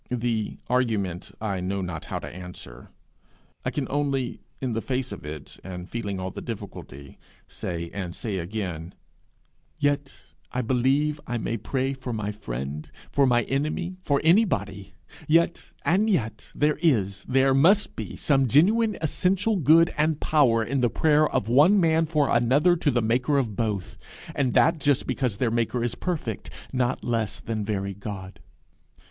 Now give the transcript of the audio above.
The argument I know not how to answer. I can only, in the face of it, and feeling all the difficulty, say, and say again, 'Yet I believe I may pray for my friend for my enemy for anybody! Yet and yet, there is, there must be some genuine, essential good and power in the prayer of one man for another to the maker of both and that just because their maker is perfect, not less than very God.'